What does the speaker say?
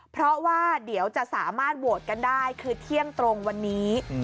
เพราะว่าเดี๋ยวจะสามารถโหวตกันได้คือเที่ยงตรงวันนี้